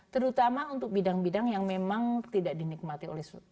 terutama untuk bidang bidang yang memang tidak dinikmati oleh